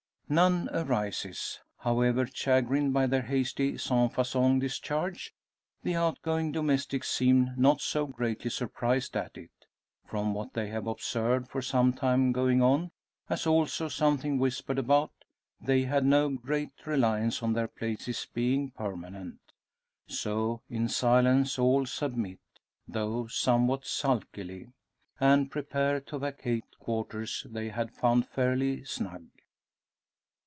None arises. However chagrined by their hasty sans facon discharge, the outgoing domestics seem not so greatly surprised at it. From what they have observed for some time going on, as also something whispered about, they had no great reliance on their places being permanent. So, in silence all submit, though somewhat sulkily; and prepare to vacate quarters they had found fairly snug.